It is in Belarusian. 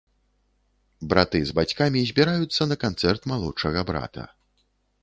Браты з бацькамі збіраюцца на канцэрт малодшага брата.